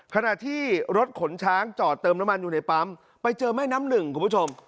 ขณะที่รถขนช้างจอดเติมน้ำมันอยู่ในปั๊มไปเจอแม่น้ำหนึ่งคุณผู้ชม